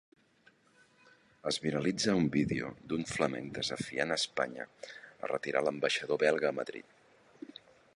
Es viralitza un vídeo d'un flamenc desafiant Espanya a retirar l'ambaixador belga a Madrid.